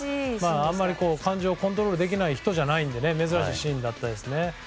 あまり感情をコントロールできない人じゃないので珍しいシーンでしたね。